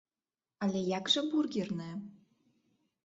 Але як жа бургерная?